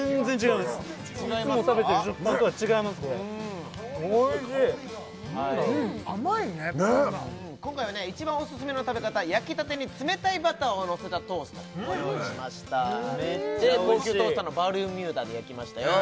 うん甘いねパンがねっ今回はね一番オススメの食べ方焼きたてに冷たいバターをのせたトーストご用意しましたで高級トースターのバルミューダで焼きましたよ